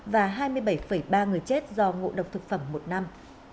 và hai mươi bảy ba người chết do ngộ độc thực phẩm một năm